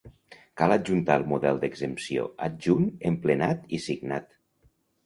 Cal adjuntar el model d'exempció adjunt emplenat i signat.